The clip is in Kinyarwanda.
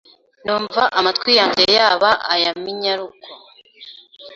Numva amatwi yanjye yaba aya Minyaruko